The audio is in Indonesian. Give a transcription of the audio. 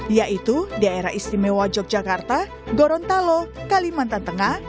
yaitu daerah istimewa yogyakarta gorontalo kalimantan tengah